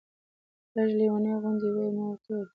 لږ لېونۍ غوندې وې. ما ورته وویل.